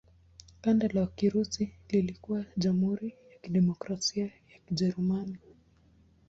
Kanda la Kirusi lilikuwa Jamhuri ya Kidemokrasia ya Kijerumani.